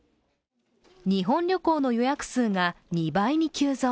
日本旅行の予約数が２倍に急増。